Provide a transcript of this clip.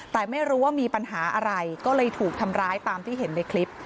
แต่ไม่รู้ว่ามีปัญหาอะไรก็เลยถูกทำร้ายตามที่เห็นในคลิป